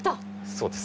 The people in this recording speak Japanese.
そうです。